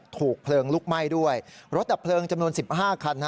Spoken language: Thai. ถูกเพลิงลุกไหม้ด้วยรถดับเพลิงจำนวน๑๕คัน